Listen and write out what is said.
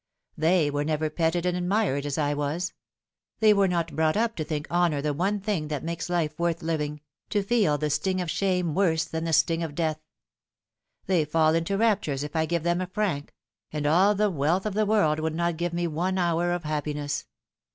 They were never petted and admired as I was. They were not brought up to think honour the one thing that makes life worth living to feel the sting of shame worse than the sting of death. They fall into raptures if I give them a franc and all the wealth of the world would not give me one hour of happiness.